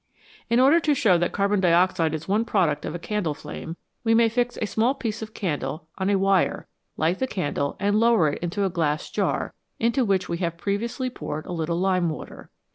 In order to show that carbon dioxide is one product of a candle flame, we may fix a small piece of candle on a wire, light the candle, and lower it into a glass jar, into which we have previously poured a little lime water.